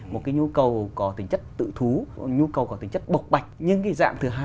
một cái nhu cầu có tính chất tự thú một cái nhu cầu có tính chất bộc bạch